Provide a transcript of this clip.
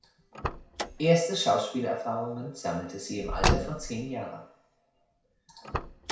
Erste Schauspielerfahrungen sammelte sie im Alter von zehn Jahren.